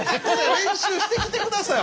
練習してきて下さい！